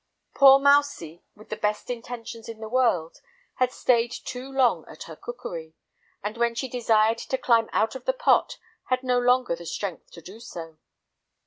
Poor mousie, with the best intentions in the world, had stayed too long at her cookery, and when she desired to climb out of the pot, had no longer the strength to do so.